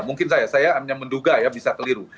mungkin saya saya hanya menduga ya bisa keliru